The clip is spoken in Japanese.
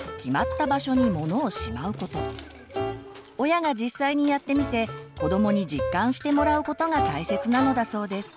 親が実際にやってみせ子どもに実感してもらうことが大切なのだそうです。